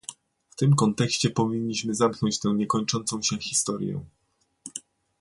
W tym kontekście powinniśmy zamknąć tę niekończącą się historię